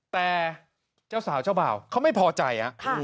แต่เจ้าสาวเจ้าบ่าวเขาไม่พอใจ